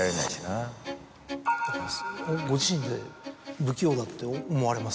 ご自身で不器用だって思われます？